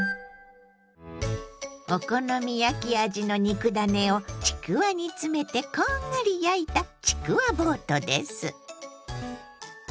お好み焼き味の肉ダネをちくわに詰めてこんがり焼いたちくわボートです。